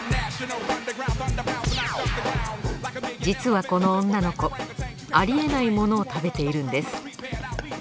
実はこの女の子ありえないものを食べているんです。